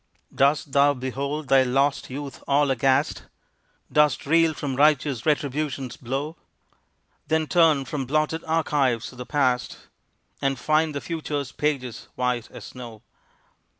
Dost thou behold thy lost youth all aghast? Dost reel from righteous Retribution's blow? Then turn from blotted archives of the past, And find the future's pages white as snow.